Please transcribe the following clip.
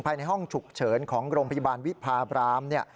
ภายในห้องฉุกเฉินของโรงพยาบาลวิพาบราม